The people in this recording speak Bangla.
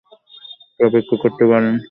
একটু অপেক্ষা করতে পারবেন?